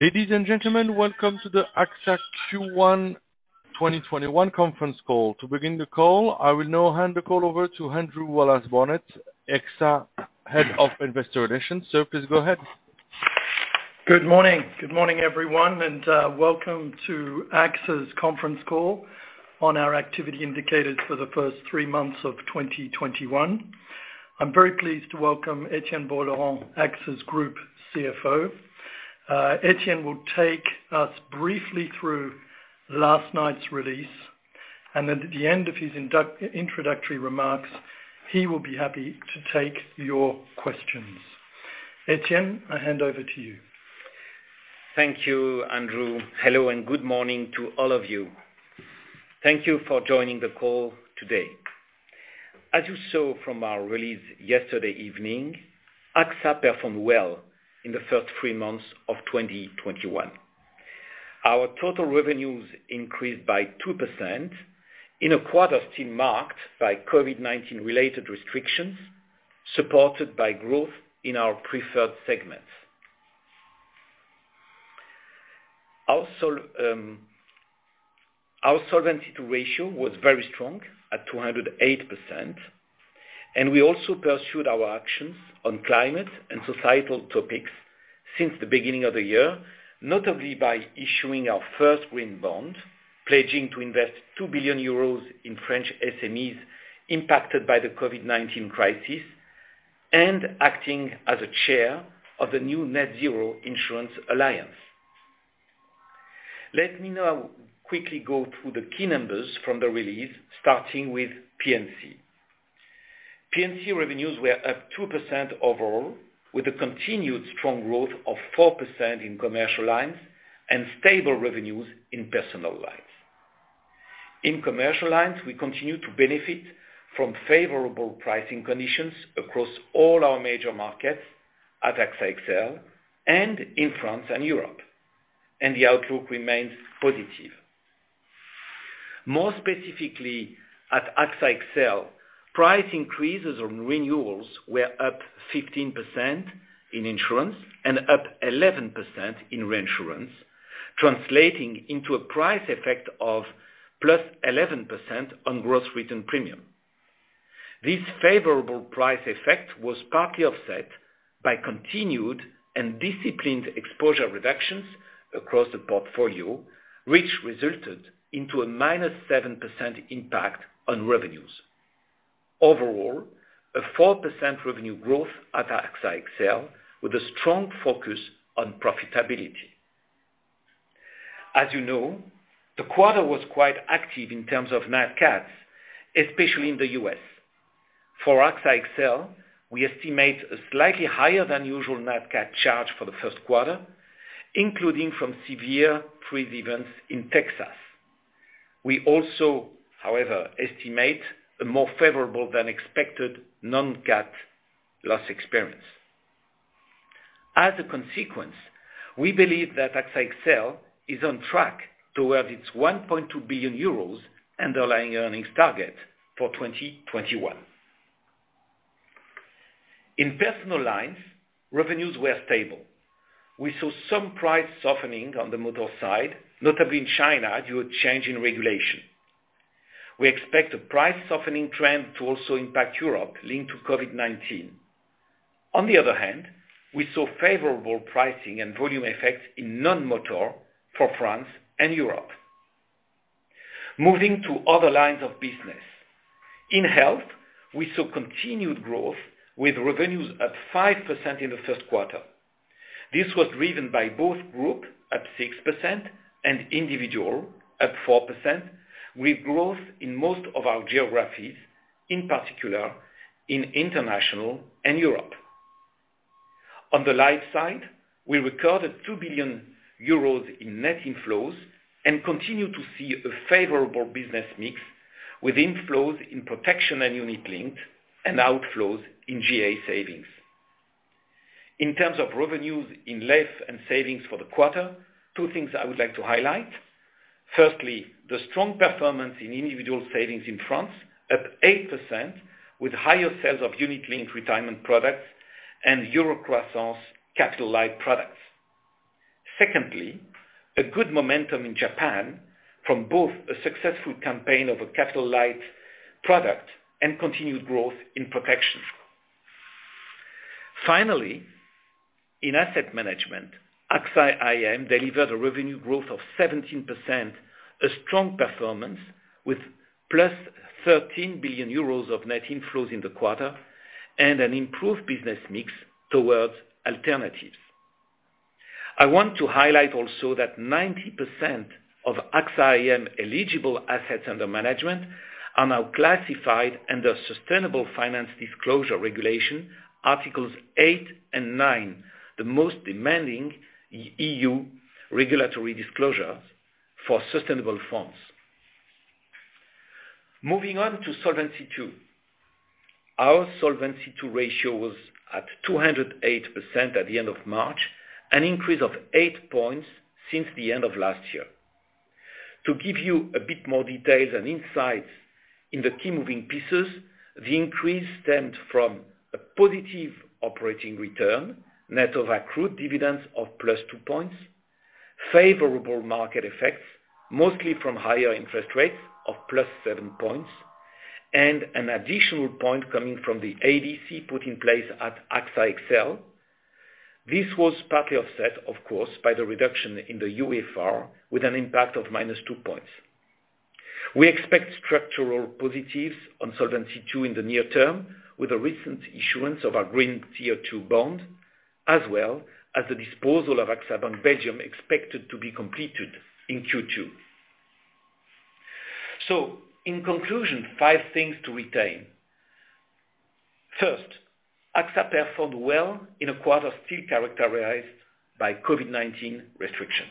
Ladies and gentlemen, welcome to the AXA Q1 2021 Conference ]Call. To begin the call, I will now hand the call over to Andrew Wallace-Barnett, AXA Head of Investor Relations. Please go ahead. Good morning. Good morning, everyone, welcome to AXA's Conference Call on our activity indicators for the first three months of 2021. I'm very pleased to welcome Etienne Bouas-Laurent, AXA's Group CFO. Etienne will take us briefly through last night's release, at the end of his introductory remarks, he will be happy to take your questions. Etienne, I hand over to you. Thank you, Andrew. Hello, good morning to all of you. Thank you for joining the call today. As you saw from our release yesterday evening, AXA performed well in the first three months of 2021. Our total revenues increased by 2% in a quarter still marked by COVID-19 related restrictions, supported by growth in our preferred segments. Our Solvency II ratio was very strong at 208%, and we also pursued our actions on climate and societal topics since the beginning of the year, notably by issuing our first green bond, pledging to invest 2 billion euros in French SMEs impacted by the COVID-19 crisis, and acting as a chair of the new Net-Zero Insurance Alliance. Let me now quickly go through the key numbers from the release, starting with P&C. P&C revenues were up 2% overall, with a continued strong growth of 4% in commercial lines and stable revenues in personal lines. In commercial lines, we continue to benefit from favorable pricing conditions across all our major markets at AXA XL and in France and Europe. The outlook remains positive. More specifically, at AXA XL, price increases on renewals were up 15% in insurance and up 11% in reinsurance, translating into a price effect of plus 11% on gross written premium. This favorable price effect was partly offset by continued and disciplined exposure reductions across the portfolio, which resulted into a -7% impact on revenues. Overall, a 4% revenue growth at AXA XL with a strong focus on profitability. As you know, the quarter was quite active in terms of Nat Cats, especially in the U.S.. For AXA XL, we estimate a slightly higher than usual Nat Cat charge for the first quarter, including from severe freeze events in Texas. We also, however, estimate a more favorable than expected Non-Cat loss experience. As a consequence, we believe that AXA XL is on track towards its 1.2 billion euros underlying earnings target for 2021. In personal lines, revenues were stable. We saw some price softening on the motor side, notably in China, due to change in regulation. We expect a price softening trend to also impact Europe linked to COVID-19. On the other hand, we saw favorable pricing and volume effects in non-motor for France and Europe. Moving to other lines of business. In health, we saw continued growth with revenues up 5% in the first quarter. This was driven by both group at 6% and individual at 4%, with growth in most of our geographies, in particular in international and Europe. On the life side, we recorded 2 billion euros in net inflows and continue to see a favorable business mix with inflows in protection and unit linked and outflows in GA savings. In terms of revenues in less and savings for the quarter, two things I would like to highlight. Firstly, the strong performance in individual savings in France up 8% with higher sales of unit-linked retirement products and EuroCroissance capital light products. Secondly, a good momentum in Japan from both a successful campaign of a capital light product and continued growth in protection. Finally, in asset management, AXA IM delivered a revenue growth of 17%, a strong performance with plus 13 billion euros of net inflows in the quarter and an improved business mix towards alternatives. I want to highlight also that 90% of AXA IM eligible assets under management are now classified under Sustainable Finance Disclosure Regulation, Articles 8 and 9, the most demanding EU regulatory disclosures for sustainable funds. Moving on to Solvency II. Our Solvency II ratio was at 208% at the end of March, an increase of eight points since the end of last year. To give you a bit more details and insights in the key moving pieces, the increase stemmed from a positive operating return, net of accrued dividends of plus two points, favorable market effects, mostly from higher interest rates of plus seven points, and an additional point coming from the ADC put in place at AXA XL. This was partly offset, of course, by the reduction in the UFR, with an impact of minus two points. We expect structural positives on Solvency II in the near term, with a recent issuance of our Green Tier 2 Bond, as well as the disposal of AXA Bank Belgium expected to be completed in Q2. In conclusion, five things to retain. First, AXA performed well in a quarter still characterized by COVID-19 restrictions.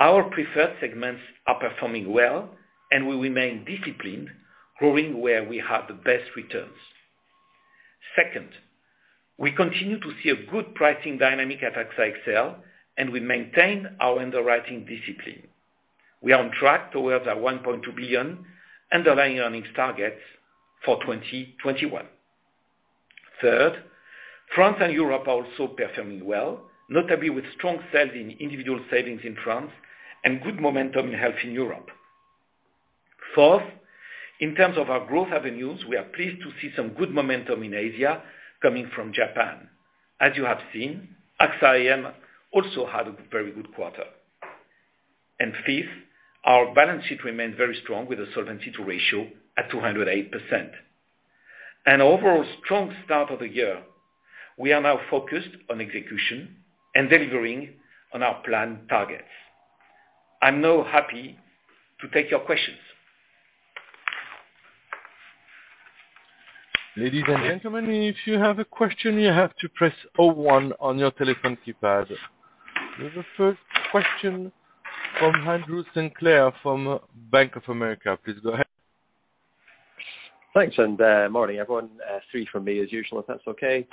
Our preferred segments are performing well, and we remain disciplined, growing where we have the best returns. Second, we continue to see a good pricing dynamic at AXA XL, and we maintain our underwriting discipline. We are on track towards our 1.2 billion underlying earnings targets for 2021. Third, France and Europe are also performing well, notably with strong sales in individual savings in France, and good momentum in health in Europe. Fourth, in terms of our growth avenues, we are pleased to see some good momentum in Asia coming from Japan. As you have seen, AXA IM also had a very good quarter. Fifth, our balance sheet remains very strong with a Solvency II ratio at 208%. An overall strong start of the year. We are now focused on execution and delivering on our planned targets. I'm now happy to take your questions. Ladies and gentlemen, if you have a question, you have to press o one on your telephone keypad. The first question from Andrew Sinclair, from Bank of America. Please go ahead. Thanks, morning, everyone. Three from me as usual, if that's okay.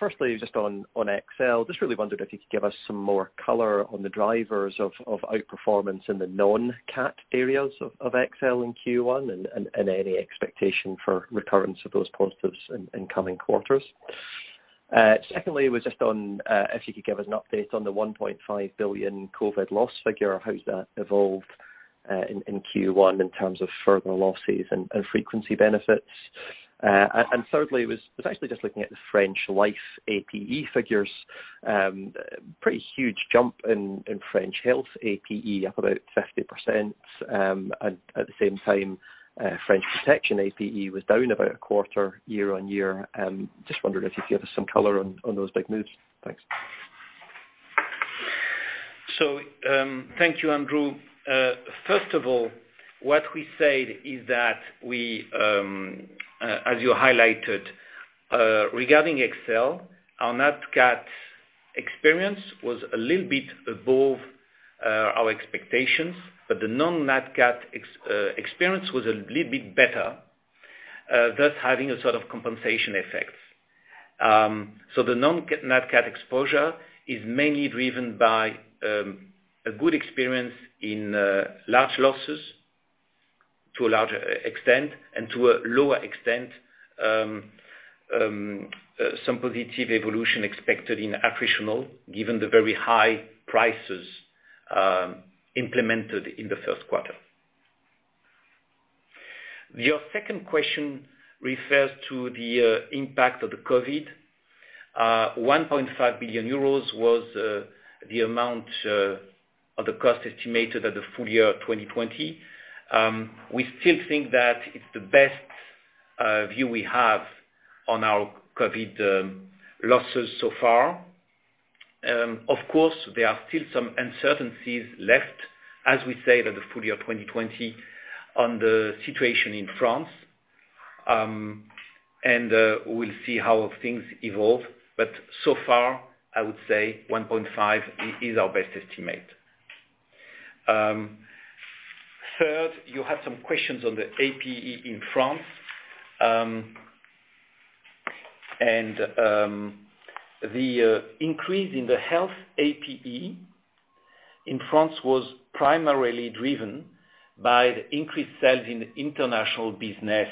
Firstly, just on XL, just really wondered if you could give us some more color on the drivers of outperformance in the Non-CAT areas of XL in Q1, and any expectation for recurrence of those positives in coming quarters. Secondly, was just on if you could give us an update on the 1.5 billion COVID loss figure. How's that evolved in Q1 in terms of further losses and frequency benefits? Thirdly, was actually just looking at the French Life APE figures. Pretty huge jump in French Health APE, up about 50%. At the same time, French Protection APE was down about a quarter year-on-year. Just wondered if you could give us some color on those big moves. Thanks. Thank you, Andrew. First of all, what we say is that, as you highlighted, regarding XL, our nat cat experience was a little bit above our expectations, but the non-Nat-Cat experience was a little bit better, thus having a sort of compensation effect. The non-Nat-Cat exposure is mainly driven by a good experience in large losses to a larger extent, and to a lower extent, some positive evolution expected in attritional, given the very high prices implemented in the first quarter. Your second question refers to the impact of the COVID. 1.5 billion euros was the amount of the cost estimated at the full year 2020. We still think that it's the best view we have on our COVID losses so far. Of course, there are still some uncertainties left, as we say, that the full year 2020 on the situation in France. We'll see how things evolve. So far, I would say 1.5 billion is our best estimate. Third, you have some questions on the APE in France. The increase in the health APE in France was primarily driven by the increased sales in international business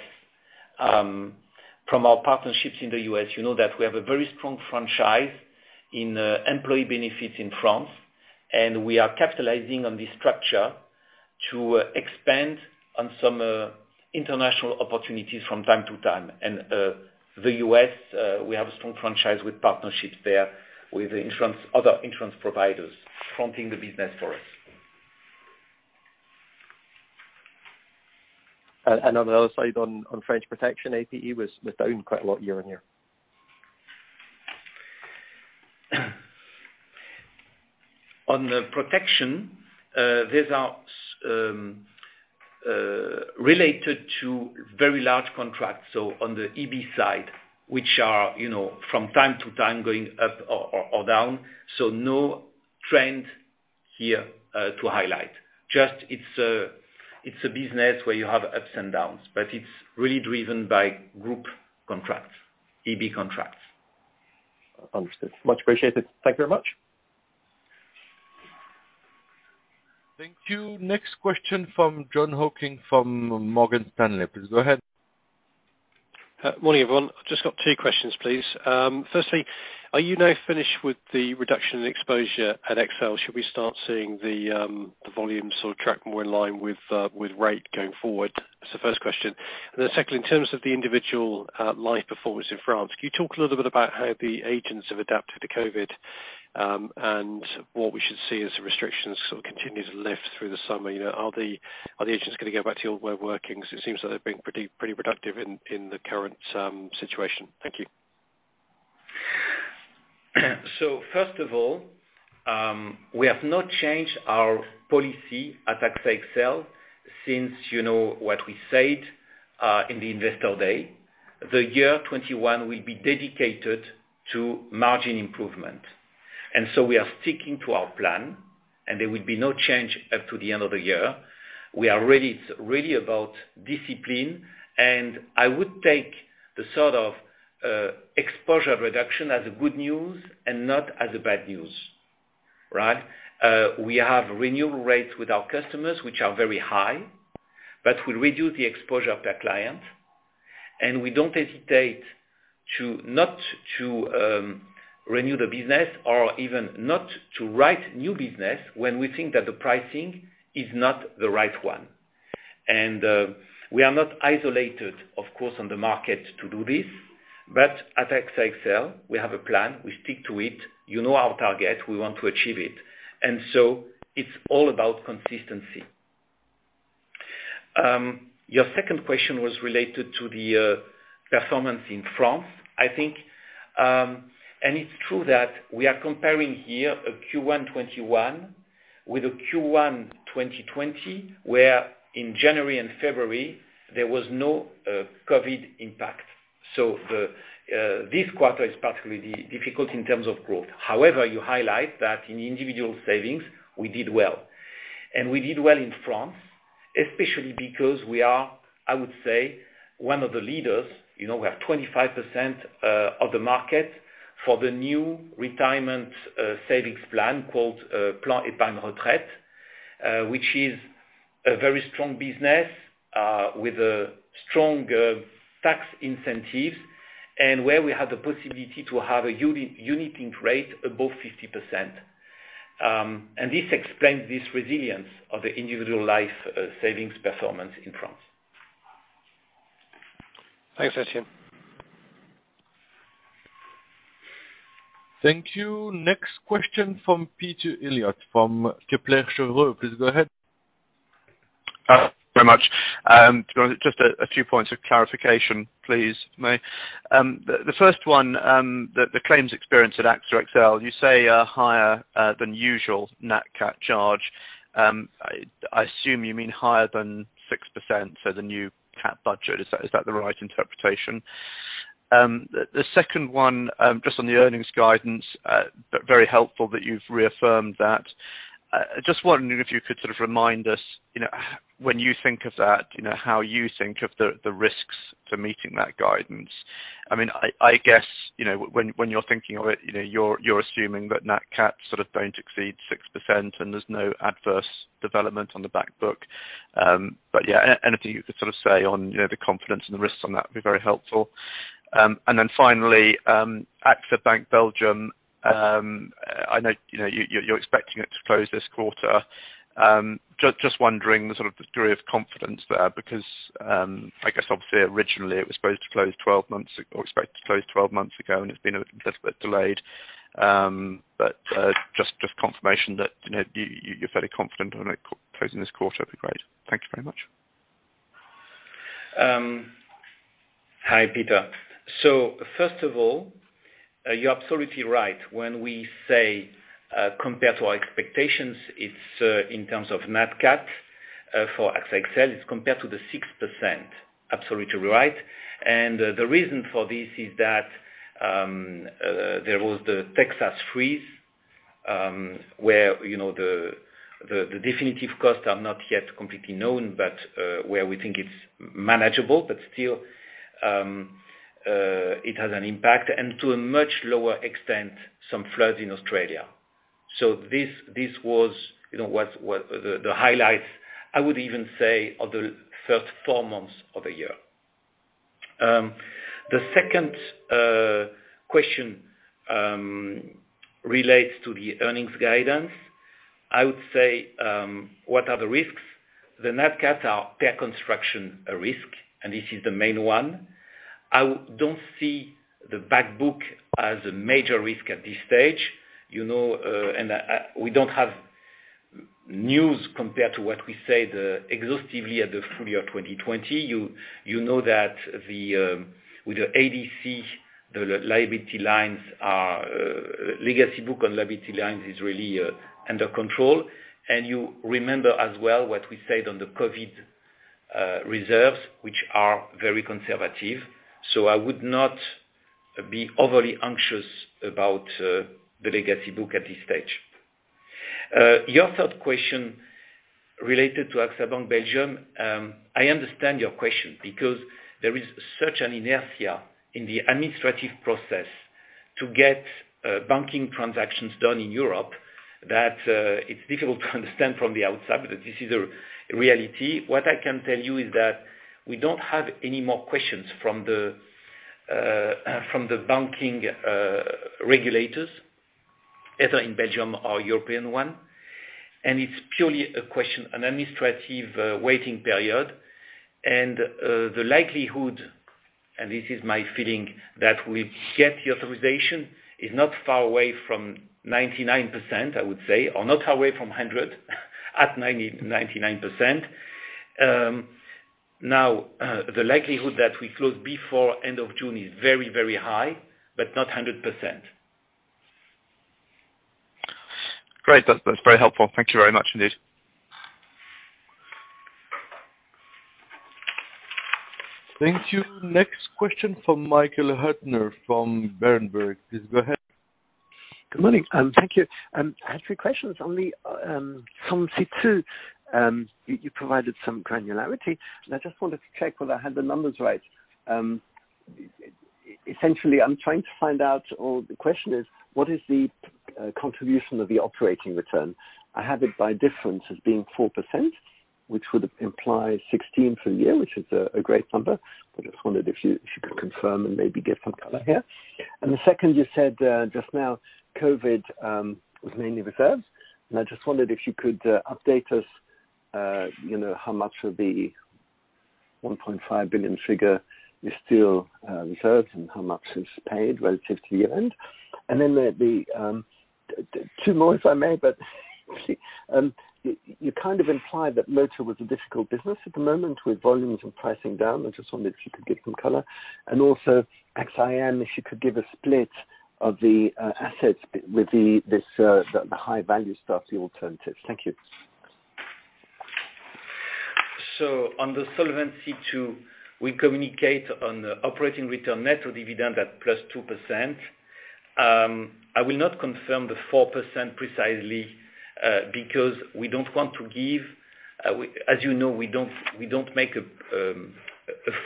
from our partnerships in the U.S. You know that we have a very strong franchise in employee benefits in France, and we are capitalizing on this structure to expand on some international opportunities from time to time. The U.S., we have a strong franchise with partnerships there with other insurance providers fronting the business for us. On the other side, on French protection, APE was down quite a lot year-on-year. On the protection, these are related to very large contracts. On the EB side, which are from time to time, going up or down. No trend here to highlight. Just it's a business where you have ups and downs, but it's really driven by group contracts, EB contracts. Understood. Much appreciated. Thank you very much. Thank you. Next question from Jon Hocking from Morgan Stanley. Please go ahead. Morning, everyone. Just got two questions, please. Are you now finished with the reduction in exposure at XL? Should we start seeing the volumes sort of track more in line with rate going forward? That's the first question. Secondly, in terms of the individual life performance in France, can you talk a little bit about how the agents have adapted to COVID, and what we should see as the restrictions continue to lift through the summer? Are the agents going to go back to your way of working? It seems like they're being pretty productive in the current situation. Thank you. First of all, we have not changed our policy at AXA XL since what we said in the investor day. The year 2021 will be dedicated to margin improvement. We are sticking to our plan, and there will be no change up to the end of the year. We are really about discipline, and I would take the sort of exposure reduction as a good news and not as a bad news. We have renewal rates with our customers, which are very high, but we reduce the exposure per client, and we don't hesitate not to renew the business or even not to write new business when we think that the pricing is not the right one. We are not isolated, of course, on the market to do this. At AXA XL, we have a plan. We stick to it. You know our target, we want to achieve it. It's all about consistency. Your second question was related to the performance in France, I think. It's true that we are comparing here a Q1 2021 with a Q1 2020, where in January and February, there was no COVID impact. This quarter is particularly difficult in terms of growth. However, you highlight that in individual savings, we did well. We did well in France, especially because we are, I would say, one of the leaders. We have 25% of the market for the new retirement savings plan called Plan d'Épargne Retraite, which is a very strong business with strong tax incentives, and where we have the possibility to have a unit-linked rate above 50%. This explains this resilience of the individual life savings performance in France. Thanks, Etienne. Thank you. Next question from Peter Eliot from Kepler Cheuvreux. Please go ahead. Thank you very much. Just a few points of clarification, please. The first one, the claims experience at AXA XL, you say are higher than usual Nat-Cat charge. I assume you mean higher than 6%, so the new Cat budget. Is that the right interpretation? The second one, on the earnings guidance, very helpful that you've reaffirmed that. wondering if you could sort of remind us, when you think of that, how you think of the risks to meeting that guidance. I guess, when you're thinking of it, you're assuming that net cats don't exceed 6% and there's no adverse development on the back book. Anything you could say on the confidence and the risks on that would be very helpful. Finally, AXA Bank Belgium. I know you're expecting it to close this quarter. Just wondering the sort of degree of confidence there, because I guess obviously originally it was supposed to close 12 months ago, or expected to close 12 months ago, and it's been a little bit delayed. Just confirmation that you're fairly confident on it closing this quarter would be great. Thank you very much. Hi, Peter. First of all, you're absolutely right. When we say compared to our expectations, it's in terms of Nat-Cat for AXA XL, it's compared to the 6%. Absolutely right. The reason for this is that there was the Texas freeze, where the definitive costs are not yet completely known, but where we think it's manageable, but still it has an impact. To a much lower extent, some floods in Australia. This was the highlights, I would even say, of the first four months of the year. The second question relates to the earnings guidance. I would say, what are the risks? The Nat-Cats are per construction a risk, and this is the main one. I don't see the back book as a major risk at this stage. We don't have news compared to what we said exhaustively at the full year 2020. You know that with the ADC, the liability lines are, legacy book on liability lines is really under control. You remember as well what we said on the COVID reserves, which are very conservative. I would not be overly anxious about the legacy book at this stage. Your third question related to AXA Bank Belgium. I understand your question because there is such an inertia in the administrative process to get banking transactions done in Europe that it's difficult to understand from the outside, but this is a reality. What I can tell you is that we don't have any more questions from the banking regulators, either in Belgium or European one, and it's purely a question, an administrative waiting period. The likelihood, and this is my feeling, that we get the authorization is not far away from 99%, I would say, or not far away from 100%, at 99%. The likelihood that we close before end of June is very, very high, but not 100%. Great. That's very helpful. Thank you very much indeed. Thank you. Next question from Michael Huttner from Berenberg. Please go ahead. Good morning. Thank you. I have three questions on the Solvency II. You provided some granularity, and I just wanted to check whether I had the numbers right. Essentially, I'm trying to find out or the question is: What is the contribution of the operating return? I have it by difference as being 4%, which would imply 16 for the year, which is a great number. I just wondered if you could confirm and maybe give some color here. The second, you said just now, COVID was mainly reserved, I just wondered if you could update us, how much of the 1.5 billion figure is still reserved and how much is paid relative to year-end. Then there'd be two more, if I may. You kind of implied that motor was a difficult business at the moment with volumes and pricing down. I just wondered if you could give some color. AXA IM, if you could give a split of the assets with the high value stuff, the alternatives. Thank you. On the Solvency II, we communicate on operating return net of dividend at +2%. I will not confirm the 4% precisely because we don't want to give, as you know, we don't make a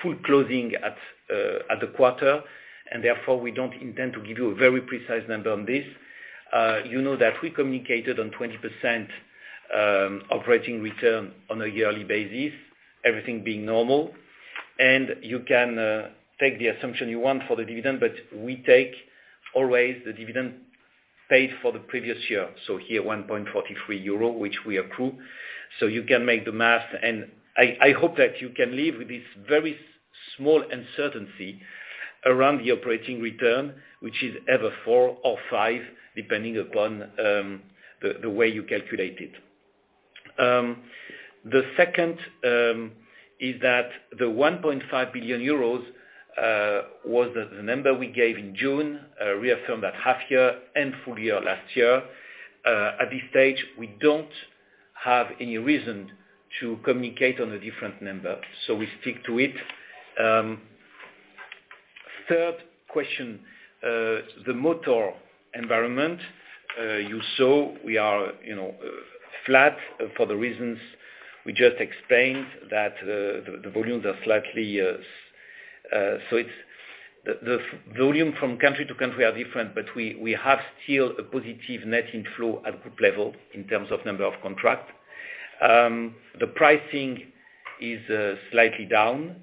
full closing at the quarter, and therefore, we don't intend to give you a very precise number on this. You know that we communicated on 20% operating return on a yearly basis, everything being normal. You can take the assumption you want for the dividend, but we take always the dividend paid for the previous year. Here, 1.43 euro, which we accrue. You can make the math. I hope that you can live with this very small uncertainty around the operating return, which is either four or five, depending upon the way you calculate it. The second is that the 1.5 billion euros was the number we gave in June, reaffirmed at half year and full year last year. At this stage, we don't have any reason to communicate on a different number, so we stick to it. Third question, the motor environment. You saw we are flat for the reasons we just explained that the volume from country to country are different, but we have still a positive net inflow at group level in terms of number of contract. The pricing is slightly down,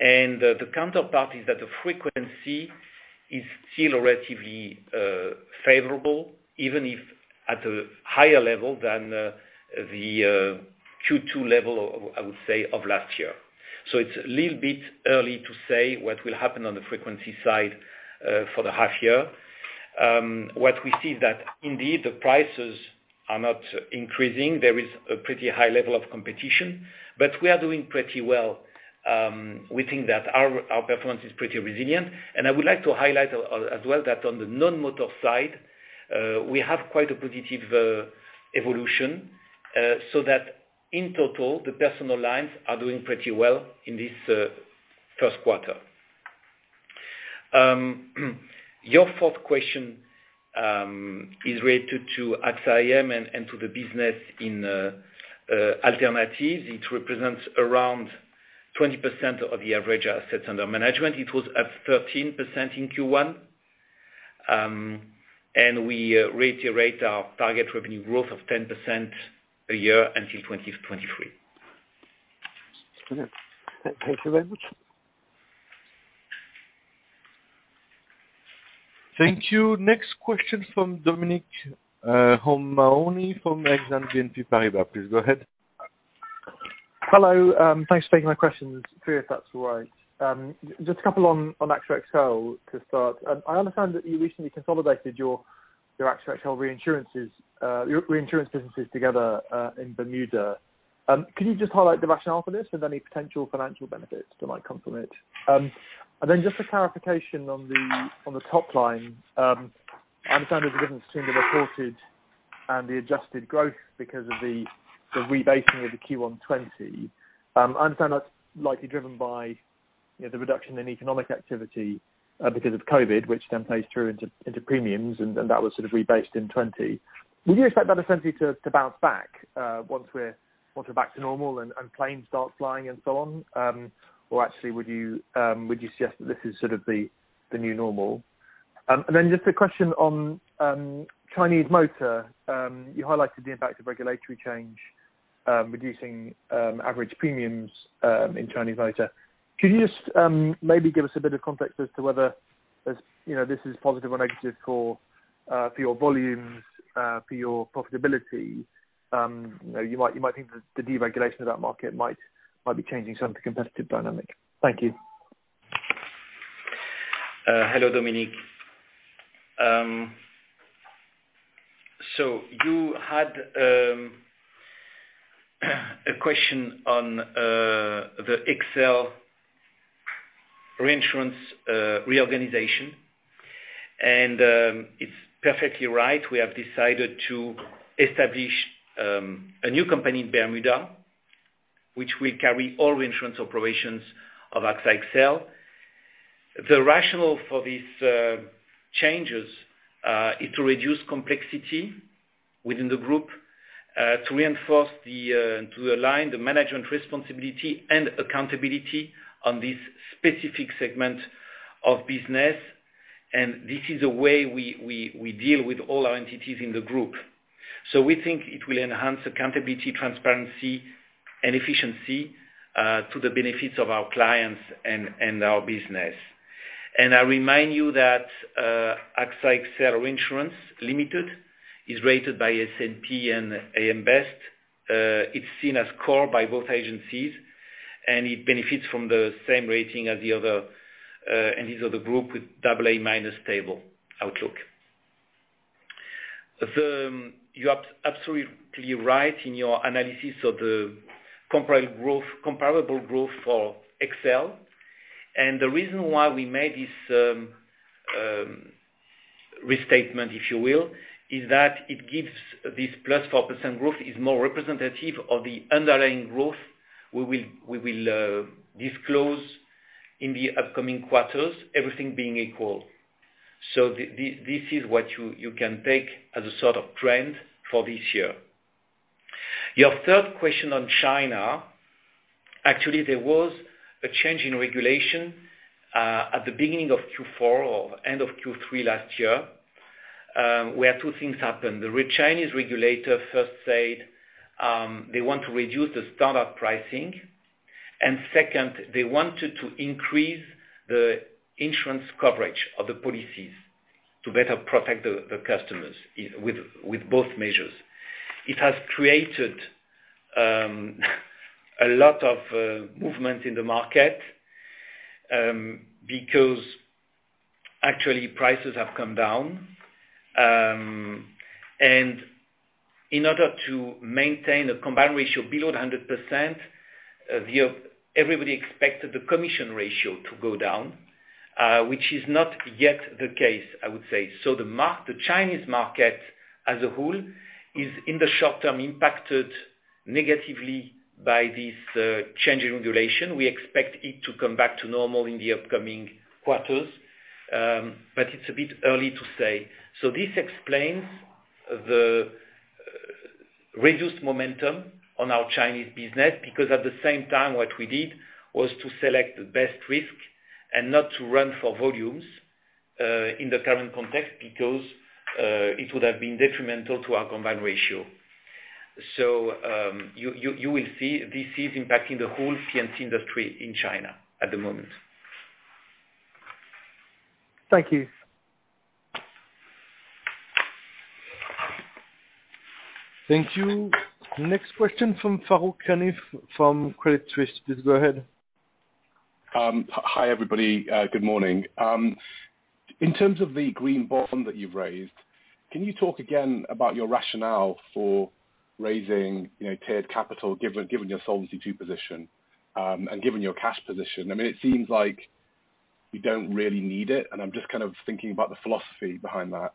and the counterpart is that the frequency is still relatively favorable, even if at a higher level than the Q2 level, I would say, of last year. It's a little bit early to say what will happen on the frequency side for the half year. What we see is that indeed the prices are not increasing. There is a pretty high level of competition. We are doing pretty well. We think that our performance is pretty resilient. I would like to highlight as well that on the non-motor side, we have quite a positive evolution, so that in total, the personal lines are doing pretty well in this first quarter. Your fourth question is related to AXA IM and to the business in alternatives. It represents around 20% of the average assets under management. It was at 13% in Q1. We reiterate our target revenue growth of 10% a year until 2023. Thank you very much. Thank you. Next question from Dominic O'Mahony from Exane BNP Paribas. Please go ahead. Hello. Thanks for taking my questions. Three, if that's all right. Just a couple on AXA XL to start. I understand that you recently consolidated your AXA XL reinsurance businesses together in Bermuda. Could you just highlight the rationale for this with any potential financial benefits that might come from it? Then just a clarification on the top line. I understand there's a difference between the reported and the adjusted growth because of the rebasing of the Q1 2020. I understand that's likely driven by the reduction in economic activity because of COVID, which then plays through into premiums, and that was rebased in 2020. Would you expect that essentially to bounce back once we're back to normal and planes start flying and so on? Actually, would you suggest that this is the new normal? Then just a question on Chinese motor. You highlighted the impact of regulatory change reducing average premiums in Chinese motor. Could you just maybe give us a bit of context as to whether this is positive or negative for your volumes, for your profitability? You might think that the deregulation of that market might be changing some of the competitive dynamic. Thank you. Hello, Dominic. You had a question on the XL reinsurance reorganization. It's perfectly right. We have decided to establish a new company in Bermuda, which will carry all reinsurance operations of AXA XL. The rationale for these changes is to reduce complexity within the group, to reinforce and to align the management responsibility and accountability on this specific segment of business. This is a way we deal with all our entities in the group. We think it will enhance accountability, transparency, and efficiency to the benefits of our clients and our business. I remind you that AXA XL Reinsurance Limited is rated by S&P and AM Best. It's seen as core by both agencies. It benefits from the same rating as the other entities of the group with AA- stable outlook. You're absolutely right in your analysis of the comparable growth for XL. The reason why we made this restatement, if you will, is that it gives this plus 4% growth is more representative of the underlying growth we will disclose in the upcoming quarters, everything being equal. This is what you can take as a sort of trend for this year. Your third question on China. Actually, there was a change in regulation at the beginning of Q4 or end of Q3 last year, where two things happened. The Chinese regulator first said they want to reduce the startup pricing, and second, they wanted to increase the insurance coverage of the policies to better protect the customers with both measures. It has created a lot of movement in the market because actually prices have come down. In order to maintain a combined ratio below 100%, everybody expected the commission ratio to go down, which is not yet the case, I would say. The Chinese market as a whole is, in the short term, impacted negatively by this change in regulation. We expect it to come back to normal in the upcoming quarters but it's a bit early to say. This explains the reduced momentum on our Chinese business, because at the same time, what we did was to select the best risk and not to run for volumes, in the current context, because it would have been detrimental to our combined ratio. You will see this is impacting the whole P&C industry in China at the moment. Thank you. Thank you. Next question from Farooq Hanif from Credit Suisse. Please go ahead. Hi, everybody. Good morning. In terms of the Green Bond that you've raised, can you talk again about your rationale for raising tiered capital, given your Solvency II position, and given your cash position? It seems like you don't really need it, and I'm just kind of thinking about the philosophy behind that.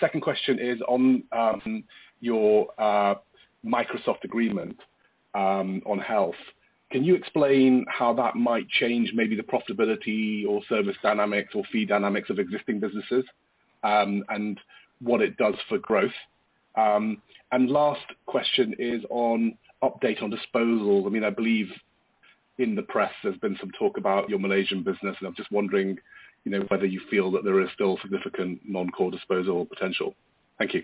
Second question is on your Microsoft agreement on health. Can you explain how that might change maybe the profitability or service dynamics or fee dynamics of existing businesses, and what it does for growth? Last question is on update on disposal. I believe in the press there's been some talk about your Malaysian business, and I'm just wondering whether you feel that there is still significant non-core disposal potential. Thank you.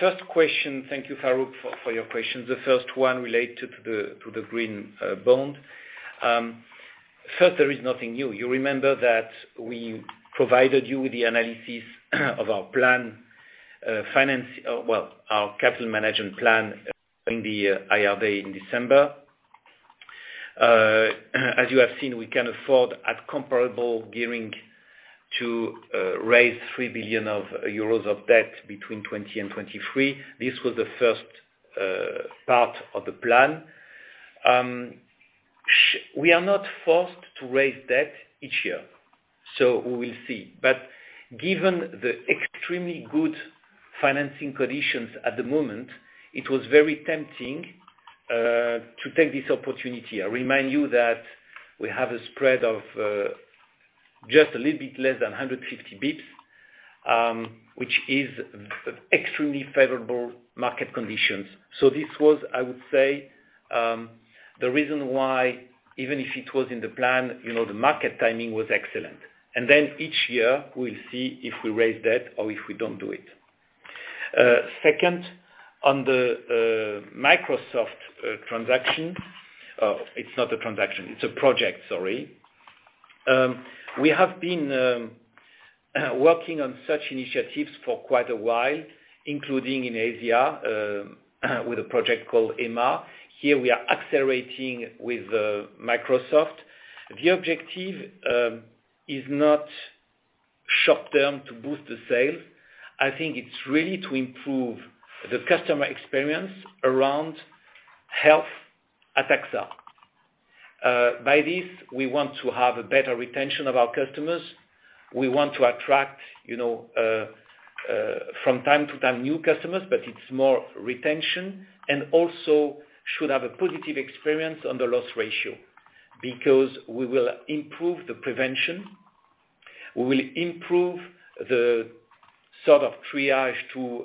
First question, thank you, Farooq, for your questions. The first one related to the Green Bond. First, there is nothing new. You remember that we provided you with the analysis of our Capital Management Plan in the Investor Day in December. As you have seen, we can afford at comparable gearing to raise 3 billion euros of debt between 2020 and 2023. This was the first part of the plan. We are not forced to raise debt each year. We will see. Given the extremely good financing conditions at the moment, it was very tempting to take this opportunity. I remind you that we have a spread of just a little bit less than 150 bips which is extremely favorable market conditions. This was, I would say, the reason why even if it was in the plan, the market timing was excellent. Each year we'll see if we raise debt or if we don't do it. Second, on the Microsoft transaction. It's not a transaction, it's a project, sorry. We have been working on such initiatives for quite a while, including in Asia, with a project called Emma. Here we are accelerating with Microsoft. The objective is not short-term to boost the sale. I think it's really to improve the customer experience around health at AXA. By this, we want to have a better retention of our customers. We want to attract, from time to time, new customers, but it's more retention and also should have a positive experience on the loss ratio because we will improve the prevention, we will improve the sort of triage to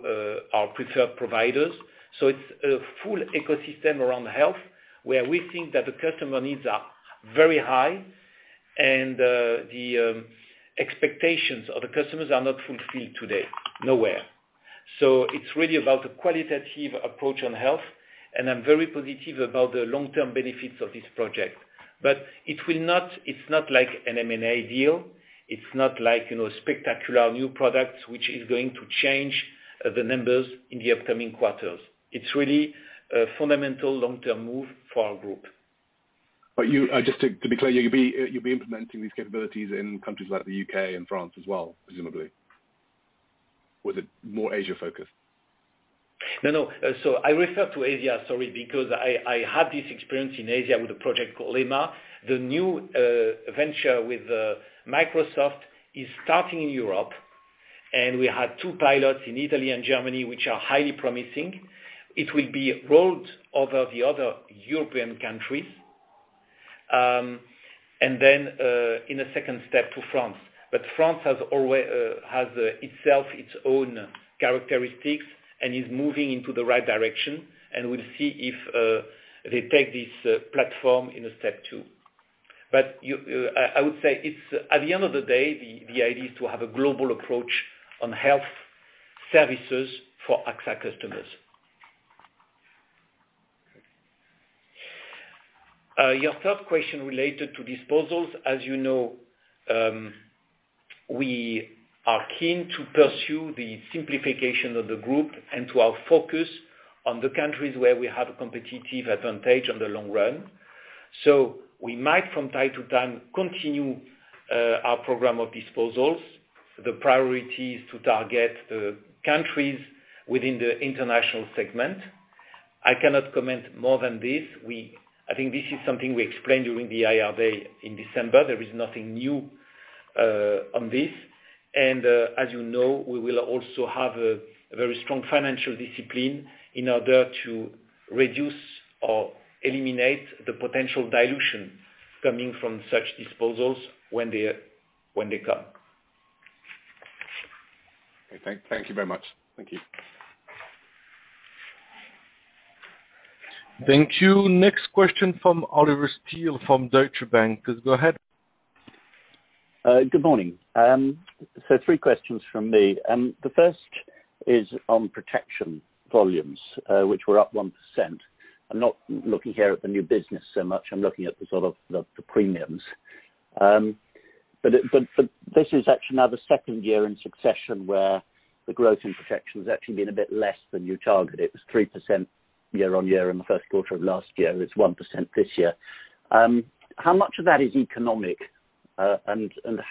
our preferred providers. It's a full ecosystem around health where we think that the customer needs are very high and the expectations of the customers are not fulfilled today, nowhere. It's really about a qualitative approach on health, and I'm very positive about the long-term benefits of this project. It's not like an M&A deal. It's not like spectacular new products, which is going to change the numbers in the upcoming quarters. It's really a fundamental long-term move for our group. Just to be clear, you'll be implementing these capabilities in countries like the U.K. and France as well, presumably? Is it more Asia focused? No, I refer to Asia, sorry, because I had this experience in Asia with a project called Emma. The new venture with Microsoft is starting in Europe, we had two pilots in Italy and Germany, which are highly promising. It will be rolled over the other European countries. Then, in a second step to France. France has itself, its own characteristics and is moving into the right direction, and we'll see if they take this platform in step two. I would say at the end of the day, the idea is to have a global approach on health services for AXA customers. Your third question related to disposals. As you know, we are keen to pursue the simplification of the group and to our focus on the countries where we have a competitive advantage in the long run. We might, from time to time, continue our program of disposals. The priority is to target the countries within the international segment. I cannot comment more than this. I think this is something we explained during the IR Day in December. There is nothing new on this. As you know, we will also have a very strong financial discipline in order to reduce or eliminate the potential dilution coming from such disposals when they come. Thank you very much. Thank you. Thank you. Next question from Oliver Steel, from Deutsche Bank. Please go ahead. Good morning. Three questions from me. The first is on protection volumes, which were up 1%. I am not looking here at the new business so much. I am looking at the sort of the premiums. This is actually now the second year in succession where the growth in protection has actually been a bit less than you targeted. It was 3% year-on-year in the first quarter of last year. It is 1% this year. How much of that is economic? How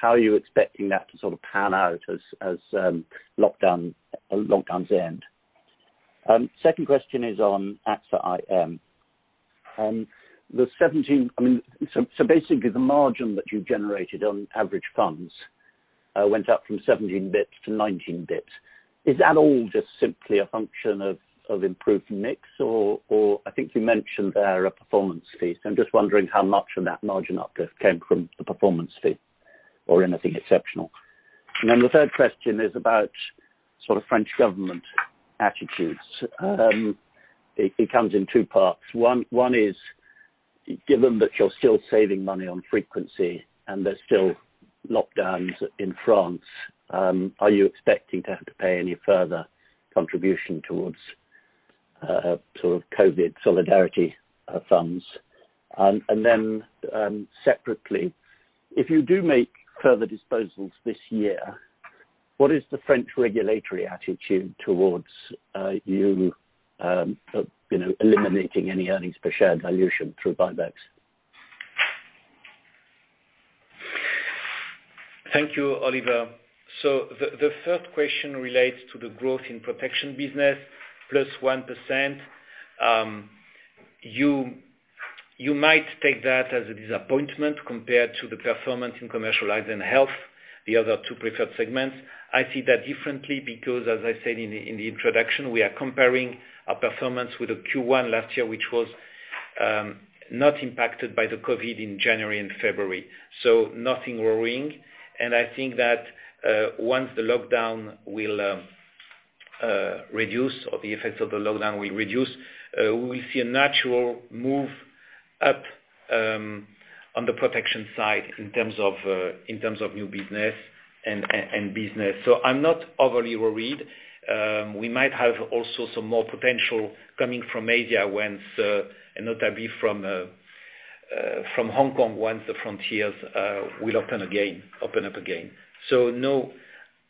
are you expecting that to sort of pan out as lockdowns end? Second question is on AXA IM. Basically the margin that you have generated on average funds, went up from 17 bips-19 bips. Is that all just simply a function of improved mix or, I think you mentioned there a performance fee, so I am just wondering how much of that margin uplift came from the performance fee or anything exceptional. The third question is about French government attitudes. It comes in two parts. One is, given that you are still saving money on frequency and there is still lockdowns in France, are you expecting to have to pay any further contribution towards COVID solidarity funds? Separately, if you do make further disposals this year, what is the French regulatory attitude towards you eliminating any earnings per share dilution through buybacks? Thank you, Oliver. The third question relates to the growth in protection business, plus 1%. You might take that as a disappointment compared to the performance in commercial life and health, the other two preferred segments. I see that differently because as I said in the introduction, we are comparing our performance with the Q1 last year, which was not impacted by the COVID in January and February. Nothing worrying, and I think that once the lockdown will reduce, or the effects of the lockdown will reduce, we see a natural move up on the protection side in terms of new business and business. I'm not overly worried. We might have also some more potential coming from Asia, and notably from Hong Kong once the frontiers will open up again. No,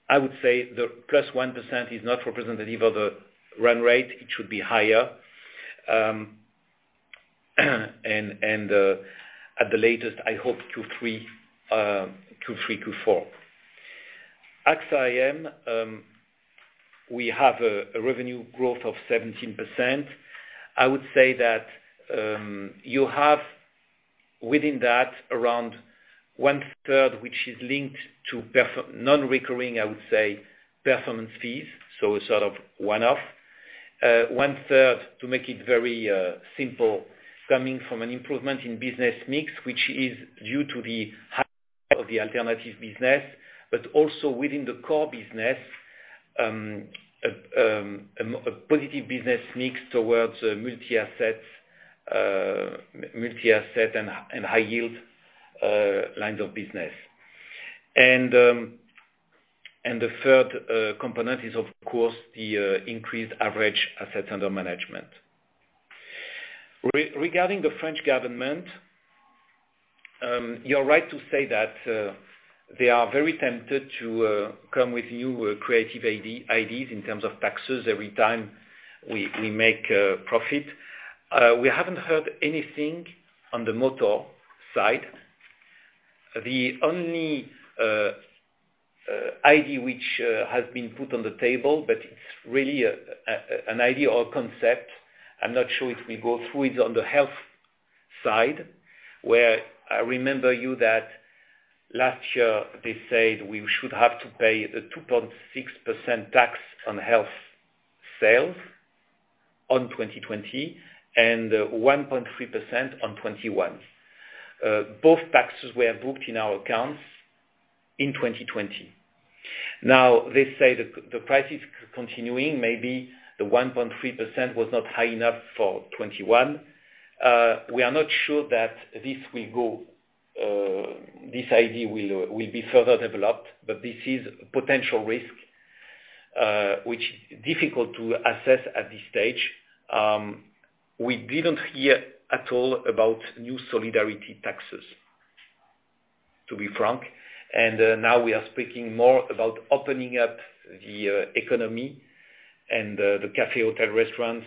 I would say the +1% is not representative of the run rate. It should be higher. At the latest, I hope Q3, Q4. AXA IM, we have a revenue growth of 17%. I would say that you have within that around 1/3, which is linked to non-recurring, I would say performance fees. A sort of one-off. One-third, to make it very simple, coming from an improvement in business mix, which is due to the alternative business, but also within the core business, a positive business mix towards multi-asset and high yield lines of business. The third component is of course the increased average assets under management. Regarding the French government, you're right to say that they are very tempted to come with new creative ideas in terms of taxes every time we make a profit. We haven't heard anything on the motor side. The only idea which has been put on the table, but it's really an idea or concept, I'm not sure if we go through it on the health side, where I remember you that last year, they said we should have to pay the 2.6% tax on health sales on 2020 and 1.3% on 2021. Both taxes were booked in our accounts in 2020. They say the price is continuing. Maybe the 1.3% was not high enough for 2021. We are not sure that this idea will be further developed, but this is potential risk, which is difficult to assess at this stage. We didn't hear at all about new solidarity taxes, to be frank. Now we are speaking more about opening up the economy and the café, hotel, restaurants,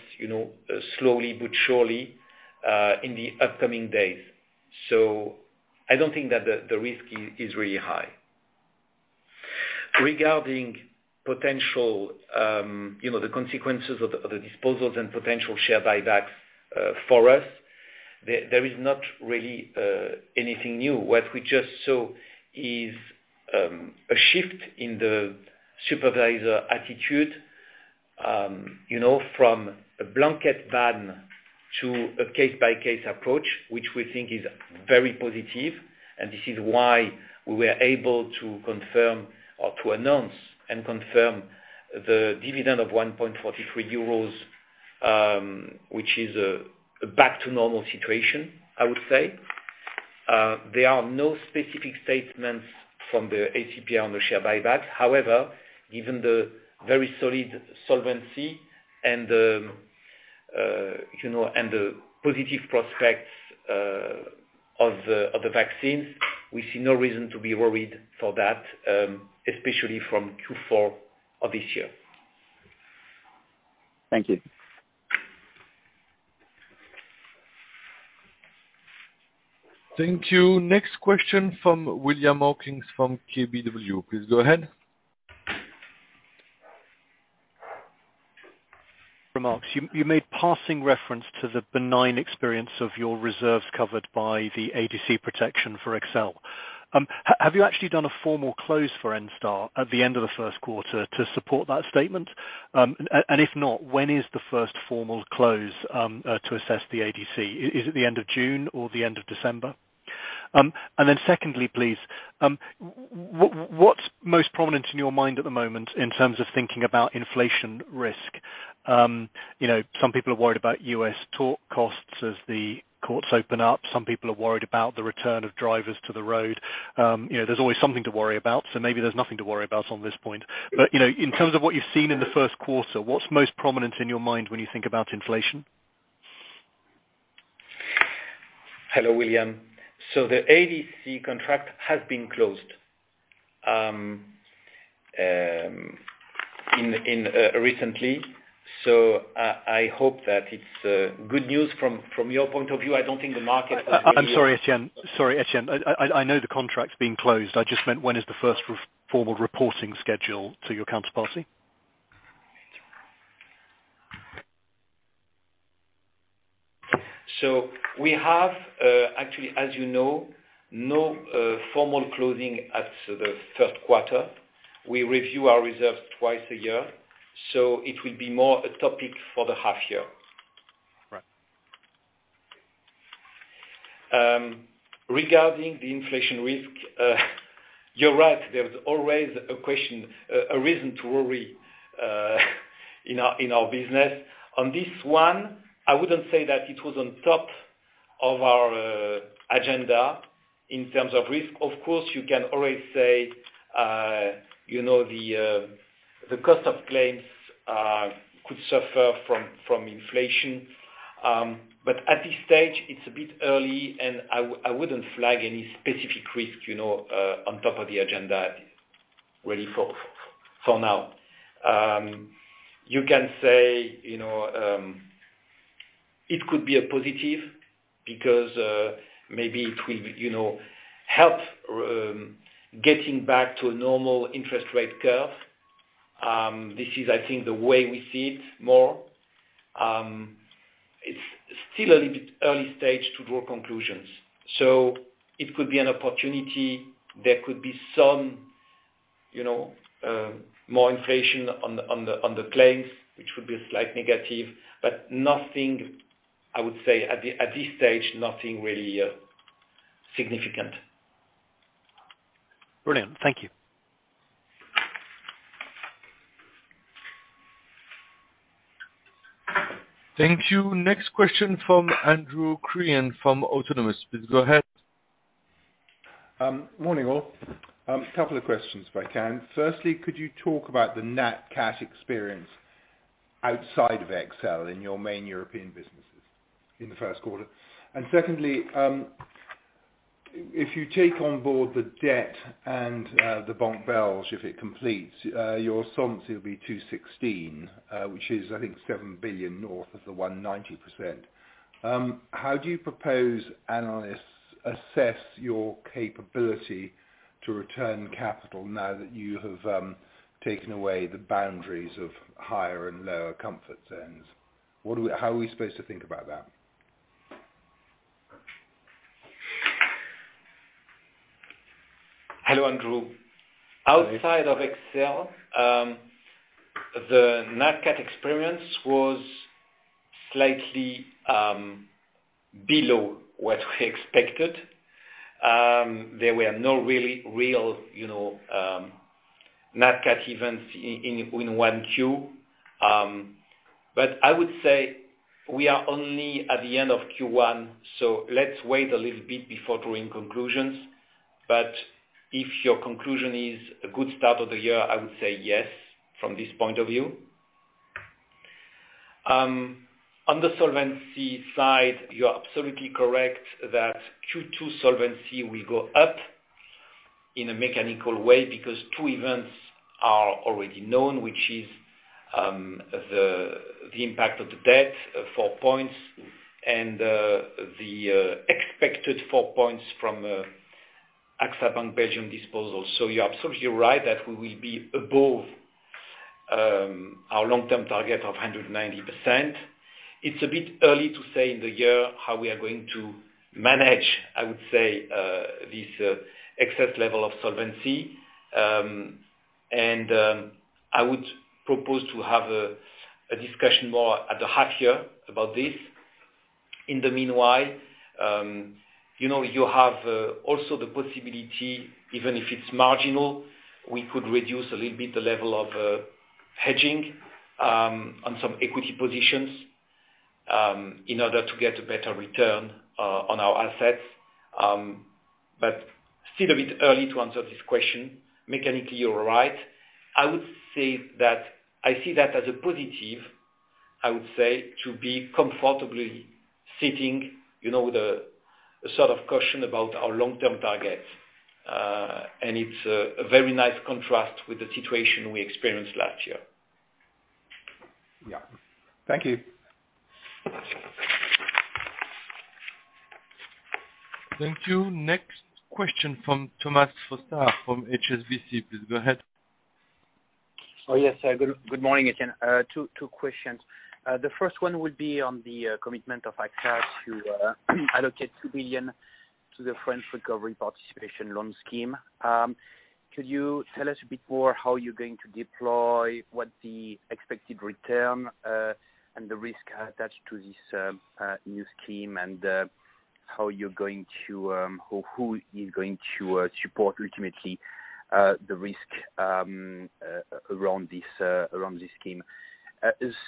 slowly but surely, in the upcoming days. I don't think that the risk is really high. Regarding potential, the consequences of the disposals and potential share buybacks for us, there is not really anything new. What we just saw is a shift in the supervisor attitude from a blanket ban to a case-by-case approach, which we think is very positive, and this is why we were able to confirm or to announce and confirm the dividend of 1.43 euros, which is a back-to-normal situation, I would say. There are no specific statements from the ACPR on the share buyback. Given the very solid solvency and the positive prospects of the vaccines, we see no reason to be worried for that, especially from Q4 of this year. Thank you. Thank you. Next question from William Hawkins from KBW. Please go ahead. Remarks. You made passing reference to the benign experience of your reserves covered by the ADC protection for AXA XL. Have you actually done a formal close for Enstar at the end of the first quarter to support that statement? If not, when is the first formal close, to assess the ADC? Is it the end of June or the end of December? Then secondly, please, what's most prominent in your mind at the moment in terms of thinking about inflation risk? Some people are worried about U.S. tort costs as the courts open up. Some people are worried about the return of drivers to the road. There's always something to worry about, so maybe there's nothing to worry about on this point. In terms of what you've seen in the first quarter, what's most prominent in your mind when you think about inflation? Hello, William. The ADC contract has been closed recently. I hope that it's good news from your point of view. I don't think the market I'm sorry, Etienne. I know the contract's been closed. I just meant when is the first formal reporting schedule to your counterparty? We have, actually, as you know, no formal closing at the third quarter. We review our reserves twice a year, so it will be more a topic for the half year. Right. Regarding the inflation risk, you're right, there's always a reason to worry in our business. On this one, I wouldn't say that it was on top of our agenda in terms of risk. Of course, you can always say the cost of claims could suffer from inflation. At this stage, it's a bit early, and I wouldn't flag any specific risk on top of the agenda really for now. You can say it could be a positive because maybe it will help getting back to a normal interest rate curve. This is, I think, the way we see it more. It's still a little bit early stage to draw conclusions. It could be an opportunity. There could be some more inflation on the claims, which would be a slight negative, but nothing, I would say at this stage, nothing really significant. Brilliant. Thank you. Thank you. Next question from Andrew Crean from Autonomous. Please go ahead. Morning, all. Couple of questions if I can. Firstly, could you talk about the Nat-Cat experience outside of AXA XL in your main European businesses in the first quarter? Secondly, if you take on board the debt and the Banque Belge, if it completes, your sums will be 216, which is, I think, 7 billion north of the 190%. How do you propose analysts assess your capability to return capital now that you have taken away the boundaries of higher and lower comfort zones? How are we supposed to think about that? Hello, Andrew. Outside of AXA XL, the Nat-Cat experience was slightly below what we expected. There were no really real Nat-Cat events in one Q. I would say we are only at the end of Q1, so let's wait a little bit before drawing conclusions. If your conclusion is a good start of the year, I would say yes, from this point of view. On the solvency side, you are absolutely correct that Q2 solvency will go up in a mechanical way because two events are already known, which is the impact of the debt, four points, and the expected four points from AXA Bank Belgium disposal. You're absolutely right that we will be above our long-term target of 190%. It's a bit early to say in the year how we are going to manage, I would say, this excess level of solvency. I would propose to have a discussion more at the half year about this. In the meanwhile, you have also the possibility, even if it's marginal, we could reduce a little bit the level of hedging on some equity positions in order to get a better return on our assets. Still a bit early to answer this question. Mechanically, you're right. I would say that I see that as a positive, I would say, to be comfortably sitting with a sort of cushion about our long-term target. It's a very nice contrast with the situation we experienced last year. Yeah. Thank you. Thank you. Next question from Thomas Fossard from HSBC. Please go ahead. Oh, yes. Good morning, Etienne. Two questions. The first one would be on the commitment of AXA to allocate 2 billion to the French Recovery Participatory Loan scheme. Could you tell us a bit more how you're going to deploy, what the expected return, and the risk attached to this new scheme, and how you're going to, or who is going to support, ultimately, the risk around this scheme?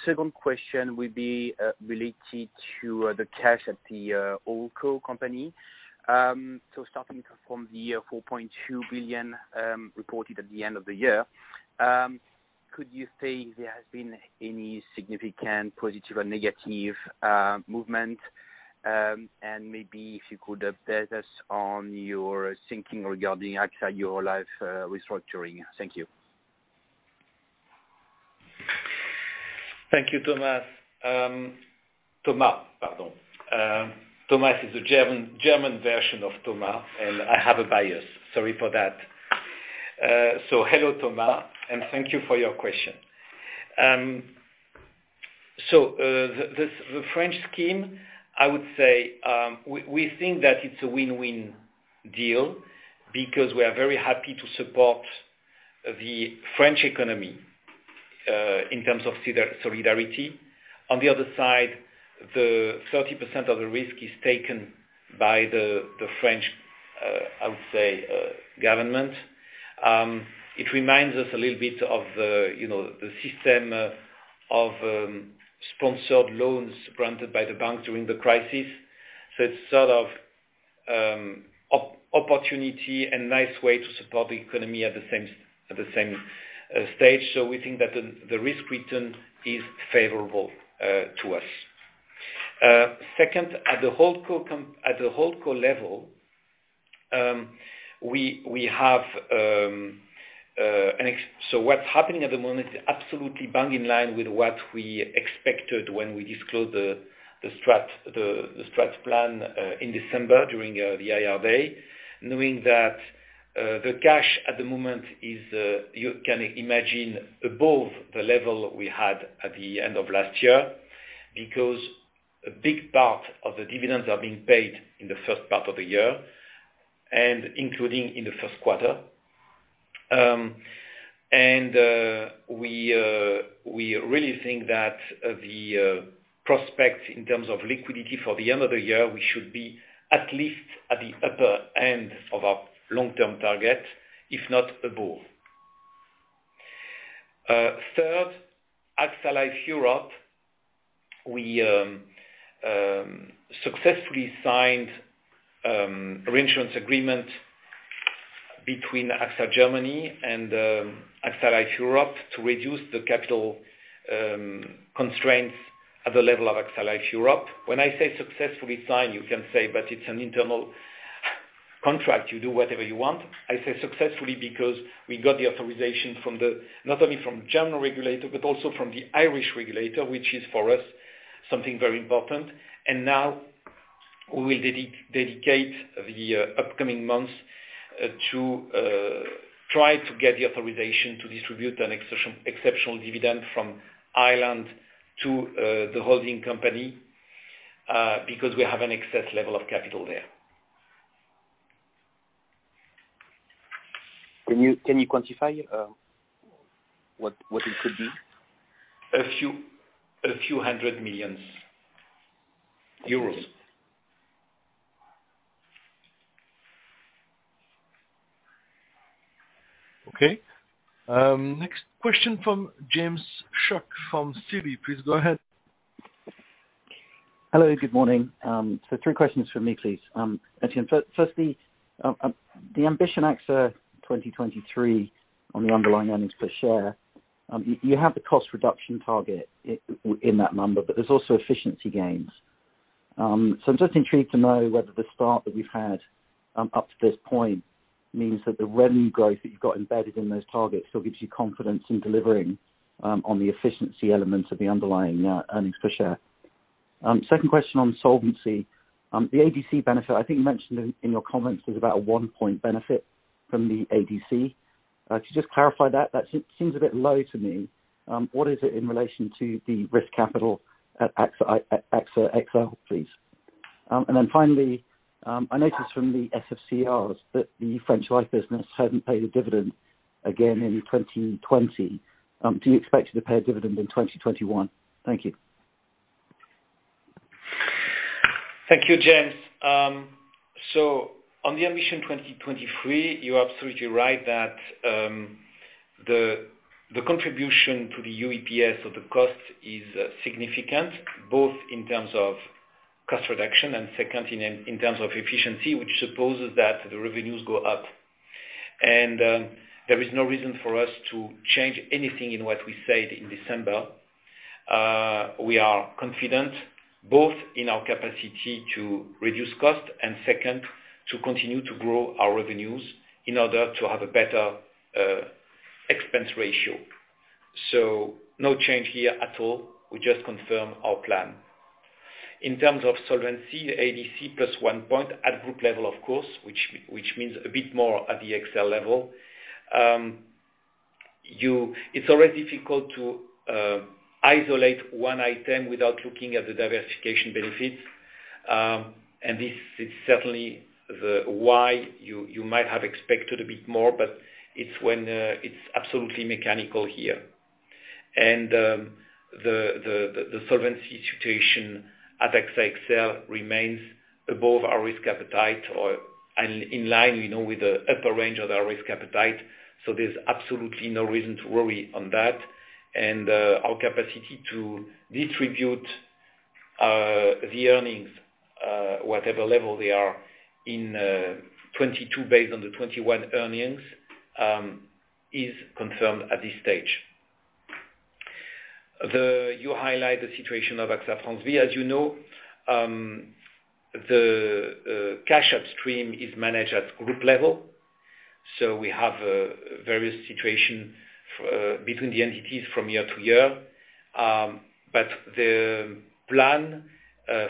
Second question will be related to the cash at the HoldCo company. Starting from the 4.2 billion reported at the end of the year. Could you say if there has been any significant positive or negative movement? Maybe if you could update us on your thinking regarding AXA Life Europe restructuring. Thank you. Thank you, Thomas. Thomas, pardon. Thomas is a German version of Thomas, and I have a bias. Sorry for that. Hello, Thomas, and thank you for your question. The French Scheme, I would say, we think that it's a win-win deal because we are very happy to support the French economy in terms of solidarity. On the other side, the 30% of the risk is taken by the French Government, I would say. It reminds us a little bit of the system of sponsored loans granted by the bank during the crisis. It's sort of opportunity and nice way to support the economy at the same stage. We think that the risk return is favorable to us. At the HoldCo level, what's happening at the moment is absolutely bang in line with what we expected when we disclosed the strat plan in December during the IR Day, knowing that the cash at the moment is, you can imagine, above the level we had at the end of last year, because a big part of the dividends are being paid in the first part of the year and including in the first quarter. We really think that the prospects in terms of liquidity for the end of the year, we should be at least at the upper end of our long-term target, if not above. AXA Life Europe, we successfully signed reinsurance agreement between AXA Germany and AXA Life Europe to reduce the capital constraints at the level of AXA Life Europe. When I say successfully signed, you can say, but it's an internal contract. You do whatever you want. I say successfully because we got the authorization not only from German regulator, but also from the Irish regulator, which is for us, something very important. Now we will dedicate the upcoming months to try to get the authorization to distribute an exceptional dividend from Ireland to the holding company, because we have an excess level of capital there. Can you quantify what it could be? A few 100 million EUR. Okay. Next question from James Shuck from Citi. Please go ahead. Hello, good morning. Three questions from me, please. Etienne, firstly, the Ambition AXA 2023 on the underlying earnings per share. You have the cost reduction target in that number, but there's also efficiency gains. I'm just intrigued to know whether the start that we've had up to this point means that the revenue growth that you've got embedded in those targets still gives you confidence in delivering on the efficiency elements of the underlying earnings per share. Second question on Solvency. The ADC benefit, I think you mentioned in your comments, was about a one-point benefit from the ADC. To just clarify that seems a bit low to me. What is it in relation to the risk capital at AXA XL, please. Finally, I noticed from the SFCRs that the French Life business hadn't paid a dividend again in 2020. Do you expect to pay a dividend in 2021? Thank you. Thank you, James. On the Ambition 2023, you're absolutely right that the contribution to the UEPS of the cost is significant, both in terms of cost reduction and second, in terms of efficiency, which supposes that the revenues go up. There is no reason for us to change anything in what we said in December. We are confident both in our capacity to reduce cost and second, to continue to grow our revenues in order to have a better expense ratio. No change here at all. We just confirm our plan. In terms of Solvency, the ADC plus one point at group level, of course, which means a bit more at the XL level. It's always difficult to isolate one item without looking at the diversification benefits. This is certainly why you might have expected a bit more, but it's when it's absolutely mechanical here. The solvency situation at AXA XL remains above our risk appetite or in line with the upper range of our risk appetite. There's absolutely no reason to worry on that. Our capacity to distribute the earnings, whatever level they are in 2022, based on the 2021 earnings, is confirmed at this stage. You highlight the situation of AXA France Vie. As you know, the cash upstream is managed at group level. We have various situation between the entities from year to year. The plan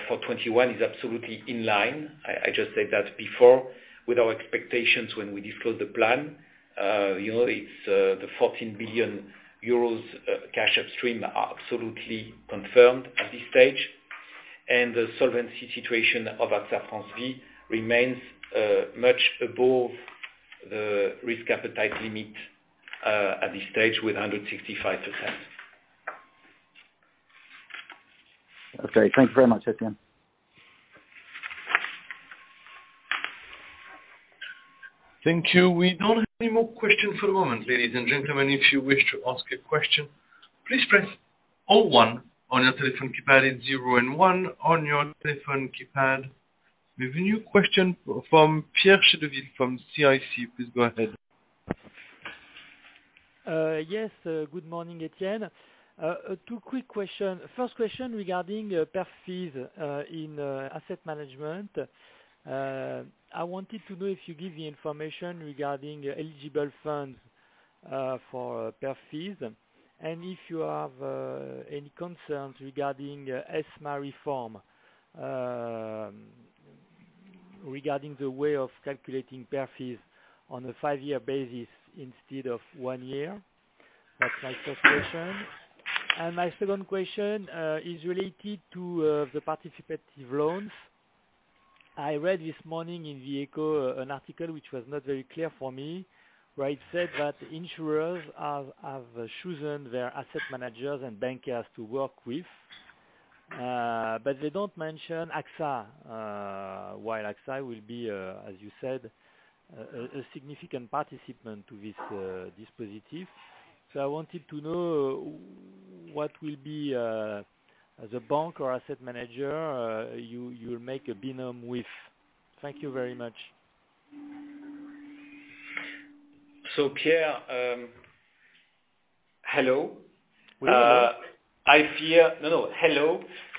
for 2021 is absolutely in line. I just said that before with our expectations when we disclose the plan. The 14 billion euros cash upstream are absolutely confirmed at this stage, and the solvency situation of AXA France Vie remains much above the risk appetite limit, at this stage with 165%. Okay. Thank you very much, Etienne. Thank you. We don't have any more questions for the moment, ladies and gentlemen. If you wish to ask a question, please press o one your telephone keypad. It's zero and one on your telephone keypad. We have a new question from Pierre Chedeville from CIC. Please go ahead. Yes. Good morning, Etienne. Two quick question. First question regarding perf fees in asset management. I wanted to know if you give the information regarding eligible funds for perf fees, and if you have any concerns regarding ESMA reform, regarding the way of calculating perf fees on a five-year basis instead of one year. That's my first question. My second question is related to the participative loans. I read this morning in "Les Echos" an article which was not very clear for me, where it said that insurers have chosen their asset managers and bankers to work with. They don't mention AXA, while AXA will be, as you said, a significant participant to this participative. I wanted to know what will be the bank or asset manager you will make a binôme with. Thank you very much. Pierre, hello. With me. Hello,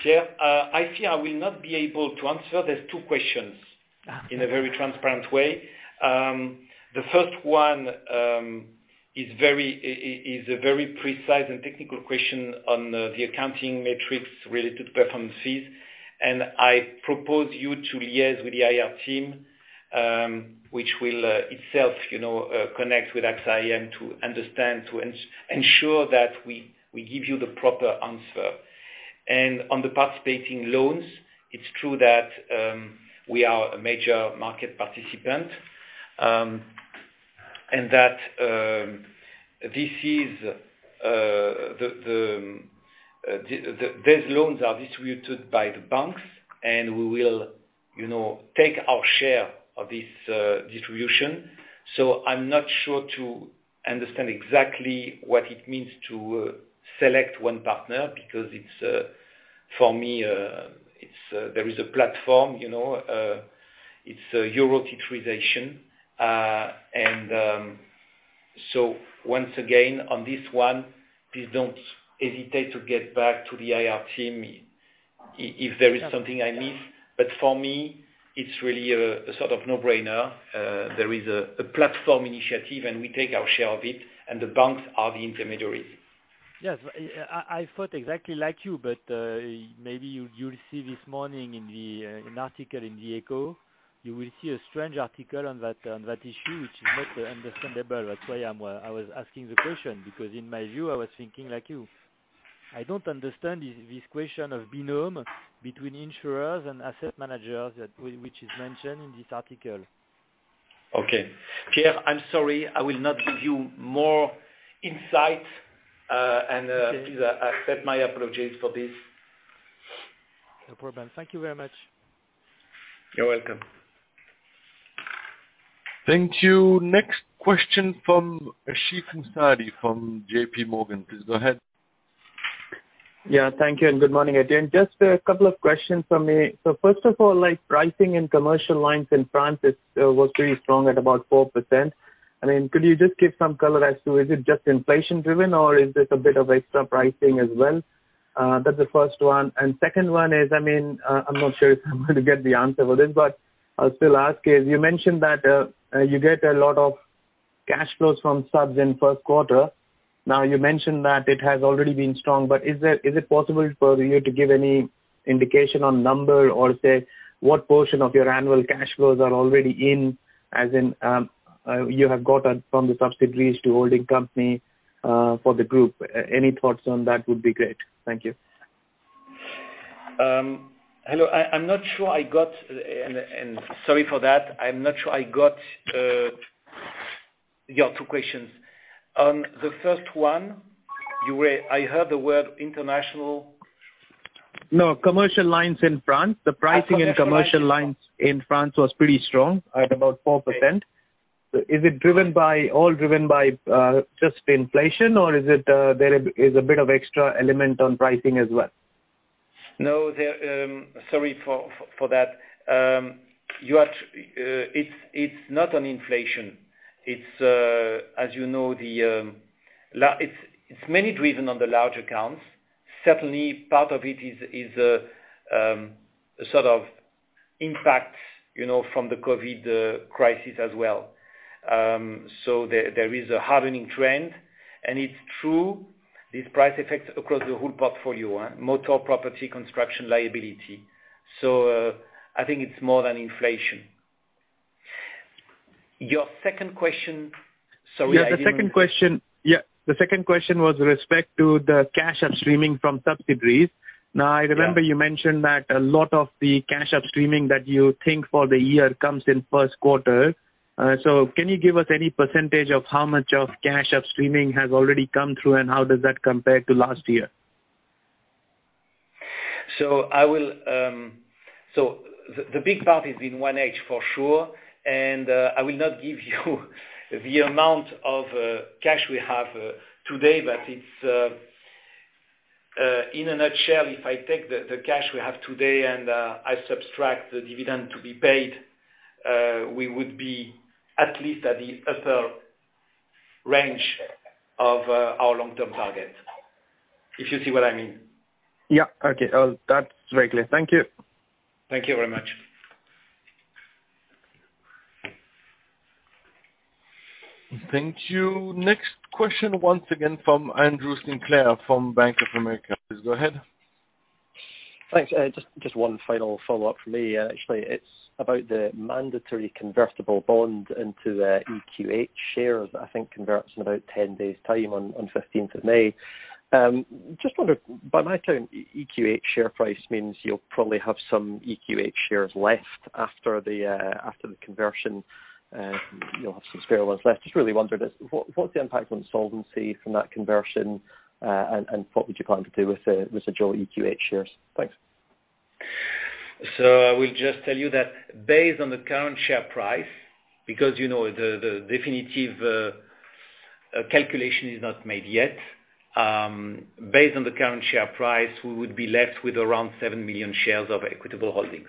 Pierre. I fear I will not be able to answer these two questions in a very transparent way. The first one is a very precise and technical question on the accounting metrics related to performance fees. I propose you to liaise with the IR team, which will itself connect with AXA IM to understand, to ensure that we give you the proper answer. On the participating loans, it's true that we are a major market participant. These loans are distributed by the banks, and we will take our share of this distribution. I'm not sure to understand exactly what it means to select one partner, because for me there is a platform, it's Eurotitrisation. Once again, on this one, please don't hesitate to get back to the IR team if there is something I missed. For me, it's really a sort of no-brainer. There is a platform initiative, and we take our share of it, and the banks are the intermediaries. Yes. I thought exactly like you, but maybe you will see this morning in an article in "Les Echos" you will see a strange article on that issue, which is not understandable. That's why I was asking the question, because in my view, I was thinking like you. I don't understand this question of binôme between insurers and asset managers, which is mentioned in this article. Okay. Pierre, I'm sorry, I will not give you more insight. Okay. Please accept my apologies for this. No problem. Thank you very much. You're welcome. Thank you. Next question from Ashik Musaddi from JPMorgan. Please go ahead. Thank you. Good morning, Etienne. Just a couple of questions from me. First of all, pricing in commercial lines in France was pretty strong at about 4%. Could you just give some color as to, is it just inflation driven or is this a bit of extra pricing as well? That's the first one. Second one is, I'm not sure if I'm going to get the answer for this, I'll still ask. You mentioned that you get a lot of cash flows from subs in first quarter. You mentioned that it has already been strong, is it possible for you to give any indication on number or say what portion of your annual cash flows are already in, as in, you have got from the subsidiaries to holding company, for the group? Any thoughts on that would be great. Thank you. Hello. Sorry for that. I'm not sure I got your two questions. On the first one, I heard the word international. No, commercial lines in France. The pricing in commercial lines in France was pretty strong at about 4%. Is it all driven by just inflation, or is a bit of extra element on pricing as well? No. Sorry for that. It's not on inflation. It's mainly driven on the large accounts. Certainly, part of it is a sort of impact from the COVID crisis as well. There is a hardening trend, and it's true, these price effects across the whole portfolio, motor, property, construction, liability. I think it's more than inflation. Your second question, sorry, I didn't- Yeah. The second question was respect to the cash upstreaming from subsidiaries. Now I remember you mentioned that a lot of the cash upstreaming that you think for the year comes in first quarter. Can you give us any percentage of how much of cash upstreaming has already come through, and how does that compare to last year? The big part is in one H for sure. I will not give you the amount of cash we have today, but in a nutshell, if I take the cash we have today and I subtract the dividend to be paid, we would be at least at the upper range of our long-term target. If you see what I mean. Yeah. Okay. Well, that's very clear. Thank you. Thank you very much. Thank you. Next question once again from Andrew Sinclair from Bank of America. Please go ahead. Thanks. Just one final follow-up from me, actually. It's about the mandatory convertible bond into the EQH shares that I think converts in about 10 days' time, May 15th. By my count, EQH share price means you'll probably have some EQH shares left after the conversion. You'll have some spare ones left. Just really wondered, what's the impact on solvency from that conversion? What would you plan to do with the residual EQH shares? Thanks. I will just tell you that based on the current share price, because the definitive calculation is not made yet. Based on the current share price, we would be left with around 7 million shares of Equitable Holdings.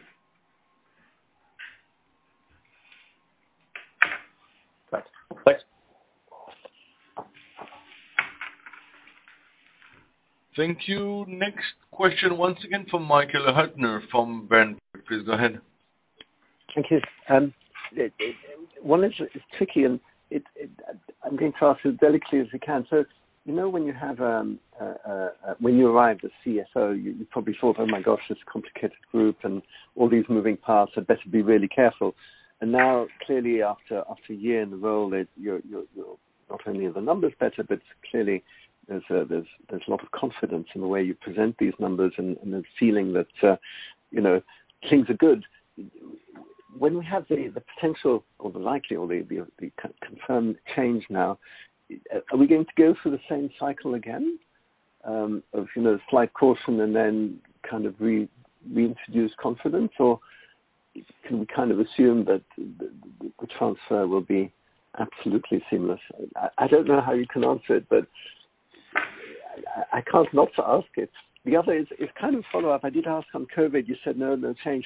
Thanks. Thank you. Next question once again from Michael Huttner from Berenberg. Please go ahead. Thank you. One is tricky. I'm going to ask you as delicately as we can. You know when you arrived at CFO, you probably thought, "Oh my gosh, this complicated group and all these moving parts, I better be really careful." Now clearly after a year in the role, not only are the numbers better, but clearly there's a lot of confidence in the way you present these numbers and a feeling that things are good. When we have the potential or the likely or the confirmed change now, are we going to go through the same cycle again of slight caution and then kind of reintroduce confidence? Can we kind of assume that the transfer will be absolutely seamless? I don't know how you can answer it, but I can't not ask it. The other is kind of follow-up. I did ask on COVID, you said no change.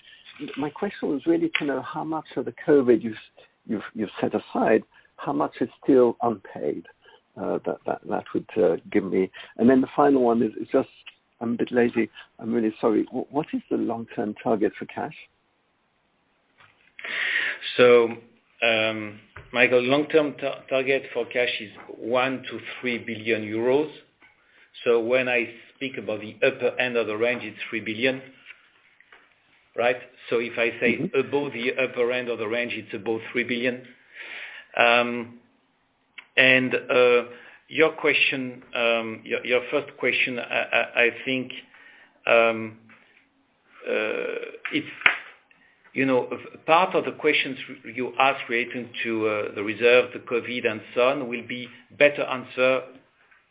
My question was really to know how much of the COVID you've set aside, how much is still unpaid? The final one is just, I'm a bit lazy, I'm really sorry. What is the long-term target for cash? Michael, long-term target for cash is 1 billion-3 billion euros. When I speak about the upper end of the range, it's 3 billion, right? If I say above the upper end of the range, it's above 3 billion. Your first question, I think part of the questions you ask relating to the reserve, the COVID, and so on, will be better answered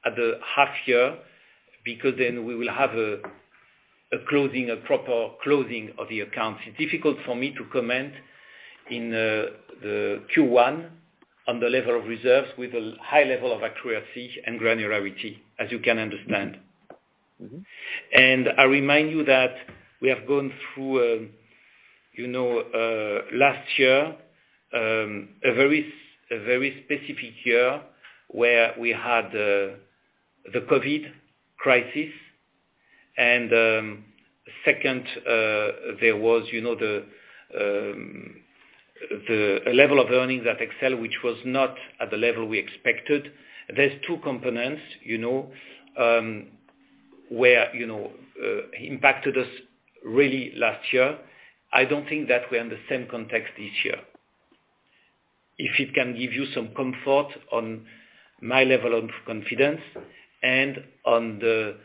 at the half year because then we will have a proper closing of the accounts. It's difficult for me to comment in the Q1 on the level of reserves with a high level of accuracy and granularity, as you can understand. I remind you that we have gone through, last year, a very specific year where we had the COVID crisis. Second, there was a level of earnings at AXA, which was not at the level we expected. There's two components, that impacted us really last year. I don't think that we're in the same context this year. If it can give you some comfort on my level of confidence and on the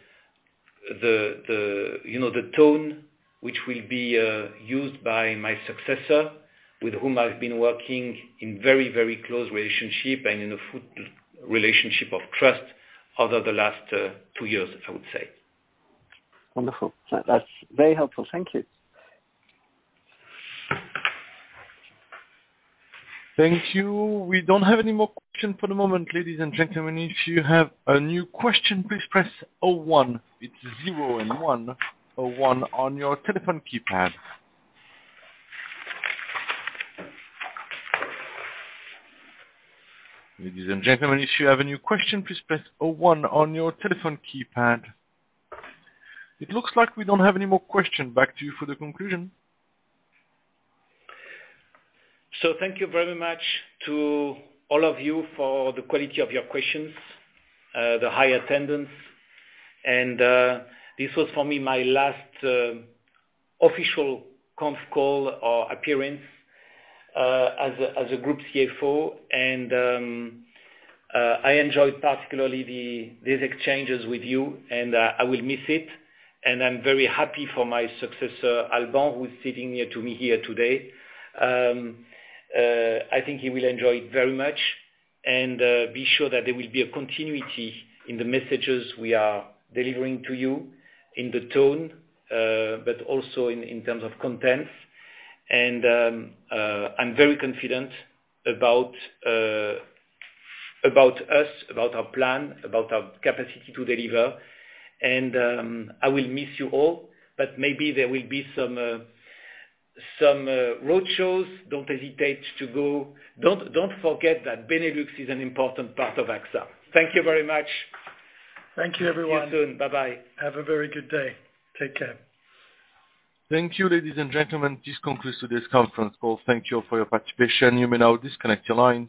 tone which will be used by my successor with whom I've been working in very close relationship and in a relationship of trust over the last two years, I would say. Wonderful. That's very helpful. Thank you. Thank you. We don't have any more questions for the moment, ladies and gentlemen. If you have a new question, please press o one. It's zero and one, o one on your telephone keypad. Ladies and gentlemen, if you have a new question, please press o one on your telephone keypad. It looks like we don't have any more questions. Back to you for the conclusion. Thank you very much to all of you for the quality of your questions, the high attendance. This was for me, my last official conf call or appearance, as a Group CFO. I enjoyed particularly these exchanges with you, and I will miss it. I'm very happy for my successor, Alban, who's sitting here to me here today. I think he will enjoy it very much. Be sure that there will be a continuity in the messages we are delivering to you, in the tone, but also in terms of contents. I'm very confident about us, about our plan, about our capacity to deliver. I will miss you all, but maybe there will be some road shows. Don't hesitate to go. Don't forget that Benelux is an important part of AXA. Thank you very much. Thank you, everyone. See you soon. Bye-bye. Have a very good day. Take care. Thank you, ladies and gentlemen. This concludes today's conference call. Thank you for your participation. You may now disconnect your line.